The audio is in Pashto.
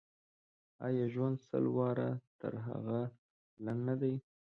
آیا ژوند سل واره تر هغه لنډ نه دی.